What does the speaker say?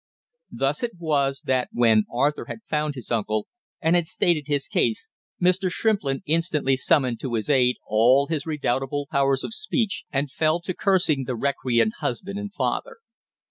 Thus it was that when Arthur had found his uncle and had stated his case, Mr. Shrimplin instantly summoned to his aid all his redoubtable powers of speech and fell to cursing the recreant husband and father.